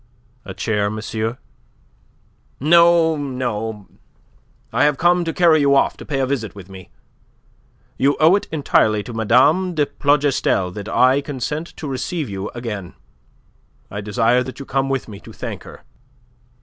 "A chair, monsieur." "No, no. I have come to carry you off to pay a visit with me. You owe it entirely to Mme. de Plougastel that I consent to receive you again. I desire that you come with me to thank her."